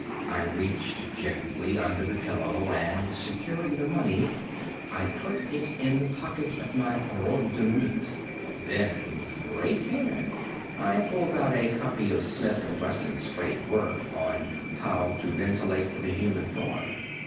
I reached gently under the pillow, and securing the money I put it in the pocket of my robe de nuit. Then, with great care, I pulled out a copy of Smith & Wesson's great work on "How to Ventilate the Human Form."